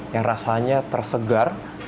yang rasanya tersegar